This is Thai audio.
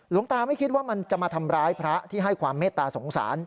ตาไม่คิดว่ามันจะมาทำร้ายพระที่ให้ความเมตตาสงสาร